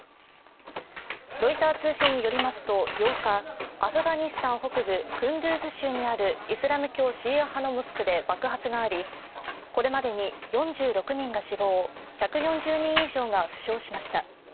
ロイター通信によりますと８日、アフガニスタン北部クンドゥズ州にあるイスラム教シーア派のモスクで爆発がありこれまでに４６人が死亡１４０人以上が負傷しました。